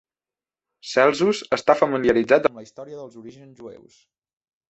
Celsus està familiaritzat amb la història dels orígens jueus.